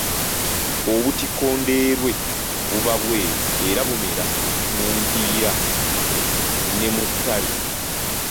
Obutiko Ndeerwe buba bweru era bumera mu mpiira ne mu ttale.